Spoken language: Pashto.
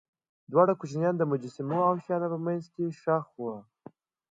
دواړه کوچنیان د مجسمو او شیانو په منځ کې ښخ وو.